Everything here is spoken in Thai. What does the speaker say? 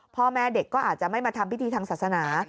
พ่อแม่เด็กก็อาจจะไม่มาทำพิธีทางศาสนา